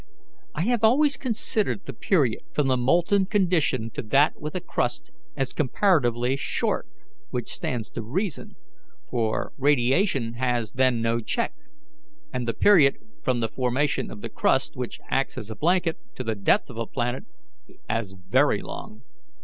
I have always considered the period from the molten condition to that with a crust as comparatively short, which stands to reason, for radiation has then no check; and the period from the formation of the crust, which acts as a blanket, to the death of a planet, as very long.